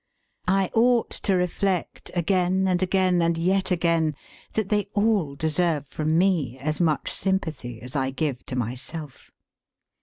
I ought to reflect again and again, and yet again, that they all deserve from me as much sympathy as I give to myself.